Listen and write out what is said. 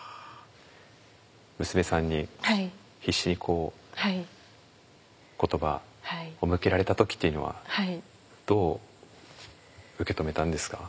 娘さんに必死にこう言葉を向けられた時っていうのはどう受け止めたんですか？